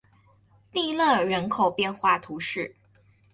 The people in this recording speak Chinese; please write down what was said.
蒂勒人口变化图示